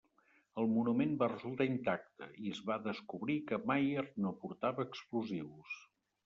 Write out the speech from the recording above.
El monument va resultar intacte, i es va descobrir que Mayer no portava explosius.